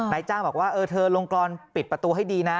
นายจ้างบอกว่าเออเธอลงกรอนปิดประตูให้ดีนะ